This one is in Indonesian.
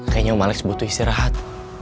kayaknya om alex butuh istirahat